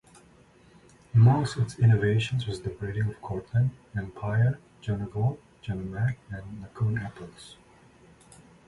Amongst its innovations was the breeding of Cortland, Empire, Jonagold, Jonamac and Macoun apples.